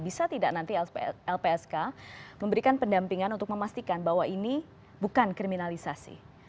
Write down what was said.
bisa tidak nanti lpsk memberikan pendampingan untuk memastikan bahwa ini bukan kriminalisasi